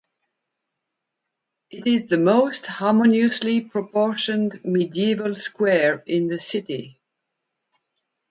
It is the most harmoniously proportioned medieval square in the city.